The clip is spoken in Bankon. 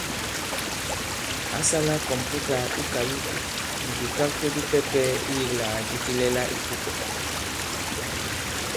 Ǎ sālā kɔ̀mputà i kayute nì bìkakto bipɛpɛ iyīklàgàdi kilɛla ī pupɛ̀.